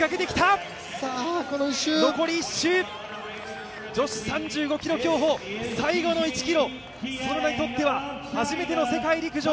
残り１周、女子３５ｋｍ競歩、最後の１ｋｍ、園田にとっては初めての世界陸上。